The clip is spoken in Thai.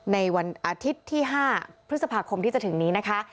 ในวันอาทิตย์ที่๕พฤษภาคมที่จะถึงนี้นะคะ